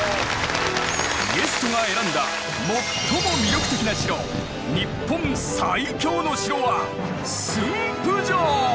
ゲストが選んだ最も魅力的な城日本最強の城は駿府城！